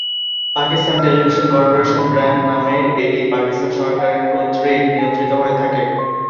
Pakistan television corporation brand নামের এটি পাকিস্তান সরকারের কর্তৃক নিয়ন্ত্রিত হয়ে থাকে।